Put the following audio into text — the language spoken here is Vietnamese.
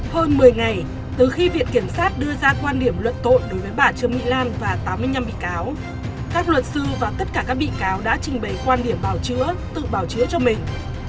hơn một mươi ngày từ khi viện kiểm sát đưa ra quan điểm luận tội đối với bà trương mỹ lan và tám mươi năm bị cáo các luật sư và tất cả các bị cáo đã trình bày quan điểm bào chữa tự bảo chữa cho mình